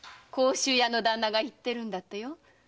甲州屋の旦那が言ってるんだってよ。